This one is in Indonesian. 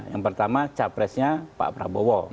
yang pertama capresnya pak prabowo